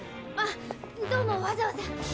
あっどうもわざわざ。